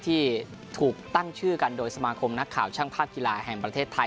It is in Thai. ที่ถูกตั้งชื่อกันโดยสมาคมนักข่าวช่างภาพกีฬาแห่งประเทศไทย